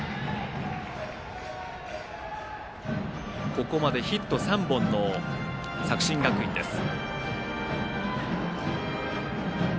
ここまでヒット３本の作新学院です。